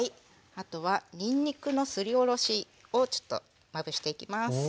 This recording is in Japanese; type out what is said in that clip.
あとはにんにくのすりおろしをちょっとまぶしていきます。